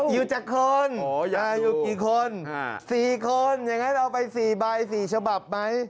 อยู่จากคน๔คนอย่างไรเอาไป๔ใบ๔ฉบับไหม